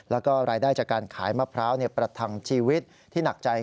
แล้วก็รายได้จากการขายมะพร้าวประทังชีวิตที่หนักใจ